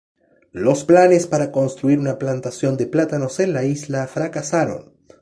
Los planes para construir una plantación de plátanos en la isla fracasaron.